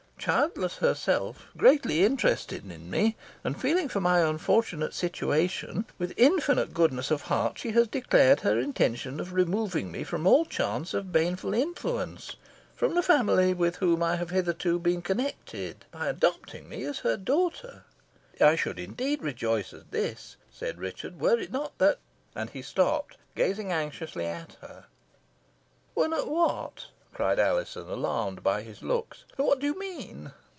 Childless herself, greatly interested in me, and feeling for my unfortunate situation, with infinite goodness of heart she has declared her intention of removing me from all chance of baneful influence, from the family with whom I have been heretofore connected, by adopting me as her daughter." "I should indeed rejoice at this," said Richard, "were it not that " And he stopped, gazing anxiously at her. "Were not what?" cried Alizon, alarmed by his looks. "What do you mean?"